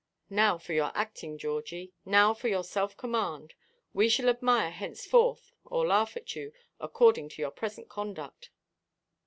Now for your acting, Georgie; now for your self–command. We shall admire, henceforth, or laugh at you, according to your present conduct.